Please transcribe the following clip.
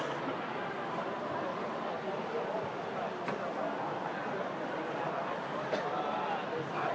สวัสดีครับสวัสดีครับ